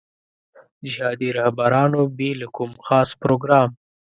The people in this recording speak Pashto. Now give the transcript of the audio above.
جهادي رهبرانو بې له کوم خاص پروګرام.